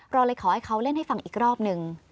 เราเลยขอให้เขาเล่นให้ฟังอีกรอบหนึ่ง